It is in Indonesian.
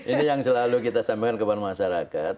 ini yang selalu kita sampaikan kepada masyarakat